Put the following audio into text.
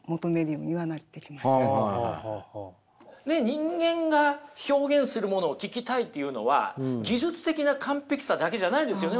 人間が表現するものを聴きたいというのは技術的な完璧さだけじゃないですよね。